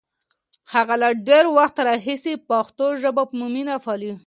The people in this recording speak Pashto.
هغه له ډېر وخت راهیسې پښتو ژبه په مینه پالي.